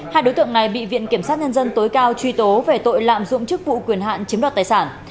hai đối tượng này bị viện kiểm sát nhân dân tối cao truy tố về tội lạm dụng chức vụ quyền hạn chiếm đoạt tài sản